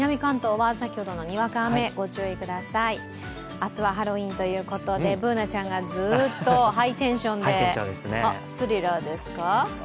明日はハロウィーンというとこでＢｏｏｎａちゃんがずっとハイテンションで、「スリラー」ですか？